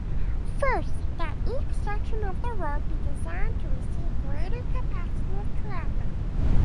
First, that each section of road be designed to receive greater capacity of traffic.